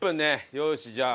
よしじゃあ。